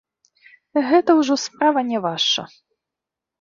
Гэта ўжо справа не ваша.